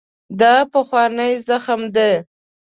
دا پخوانی زخم دی.